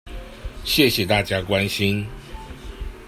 謝謝大家關心